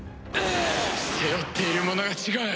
背負っているものが違う！